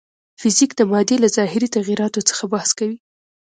فزیک د مادې له ظاهري تغیراتو څخه بحث کوي.